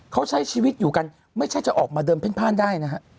เขาใช้ชีวิตอยู่กันไม่ใช่จะออกมาเดินเพ่นพ่านได้นะฮะ